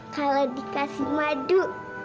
kalau dikasih madu